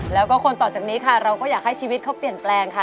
แล้วก็คนต่อจากนี้ค่ะเราก็อยากให้ชีวิตเขาเปลี่ยนแปลงค่ะ